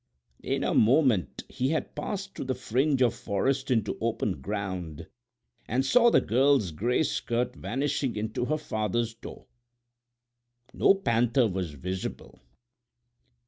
In a moment he had passed through the fringe of forest into open ground and saw the girl's gray skirt vanishing into her father's door. No panther was visible.